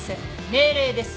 命令です。